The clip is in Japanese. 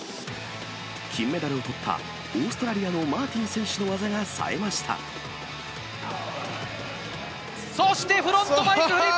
金メダルをとったオーストラリアのマーティン選手の技がさえましそしてフロントバイクフリッ